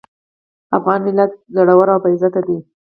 افغان ملت زړور او باعزته دی.